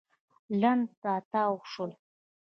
لنډ راتاو شول.